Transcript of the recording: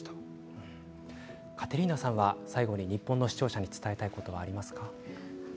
カテリーナさんは最後に日本の視聴者に伝えたいことはありますか？